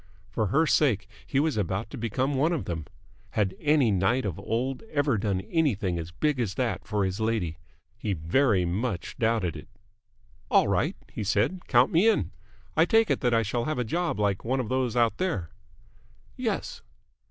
And for her sake he was about to become one of them! Had any knight of old ever done anything as big as that for his lady? He very much doubted it. "All right," he said. "Count me in. I take it that I shall have a job like one of those out there?" "Yes."